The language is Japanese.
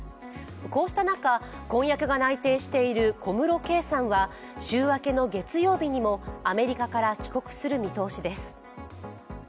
こうした中、婚約が内定している小室圭さんは、週明けの月曜日にもアメリカから帰国する見通しです。